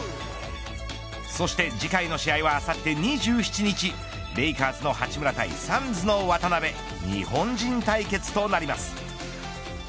そして次回の試合はあさって２７日レイカーズの八村対サンズの渡邊日本人対決となります。